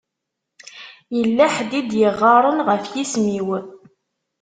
Yella ḥedd i d-yeɣɣaren ɣef yisem-iw.